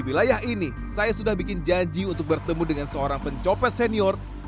wilayah ini saya sudah bikin janji untuk bertemu dengan seorang pencopet senior